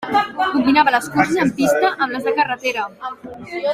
Combinava les curses en pista amb les de carretera.